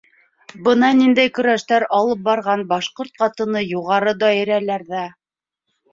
Бына ниндәй көрәштәр алып барған башҡорт ҡатыны юғары даирәләрҙә!